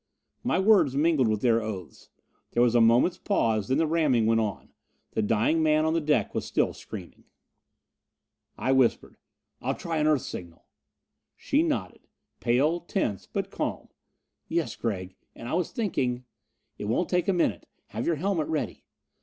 My words mingled with their oaths. There was a moment's pause, then the ramming went on. The dying man on the deck was still screaming. I whispered, "I'll try an Earth signal." She nodded. Pale, tense, but calm. "Yes, Gregg. And I was thinking " "It won't take a minute. Have your helmet ready."